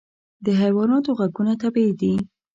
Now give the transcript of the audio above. د حیواناتو غږونه طبیعي دي.